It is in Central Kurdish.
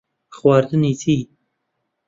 خواردنی چی؟